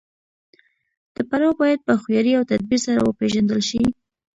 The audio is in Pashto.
دا پړاو باید په هوښیارۍ او تدبیر سره وپیژندل شي.